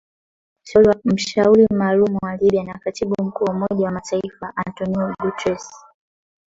Stephanie Williams mshauri maalum wa Libya na katibu mkuu wa Umoja wa Mataifa Antonio Guterres